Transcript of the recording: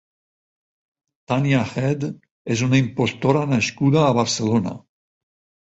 Tania Head és una impostora nascuda a Barcelona.